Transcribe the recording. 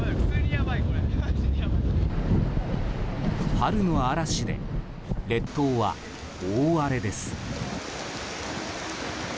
春の嵐で、列島は大荒れです。